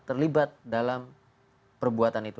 terlibat dalam perbuatan itu